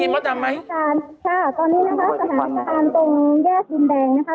คุณพระจำค่ะพอได้ยินพระจำไหมใช่ตอนนี้นะคะสถานการณ์ตรงแยกดินแดงนะคะ